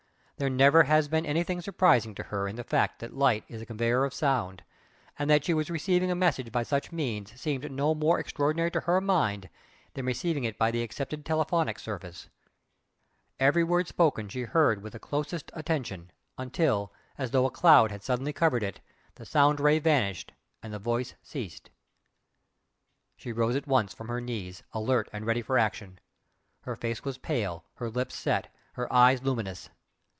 There never had been anything surprising to her in the fact that light is a conveyor of sound; and that she was receiving a message by such means seemed no more extraordinary to her mind than receiving it by the accepted telephonic service. Every word spoken she heard with the closest attention until as though a cloud had suddenly covered it, the "Sound Ray" vanished, and the Voice ceased. She rose at once from her knees, alert and ready for action her face was pale, her lips set, her eyes luminous.